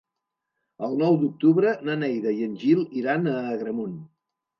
El nou d'octubre na Neida i en Gil iran a Agramunt.